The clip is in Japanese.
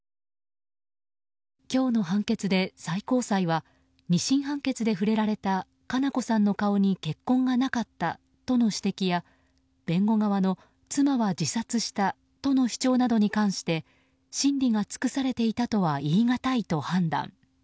今日の判決で最高裁は２審判決で触れられた佳菜子さんの顔に血痕がなかったという指摘や弁護側の、妻は自殺したとの主張などに関して審理が尽くされていたとは言いがたいと判断。